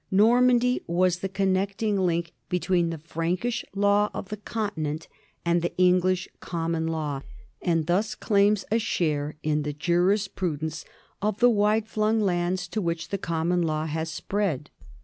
Normandy was the connecting link between the Prankish law of the Continent and the English common law, and thus claims a share in the jurisprudence of the wide flung lands to which the com mon law has spread.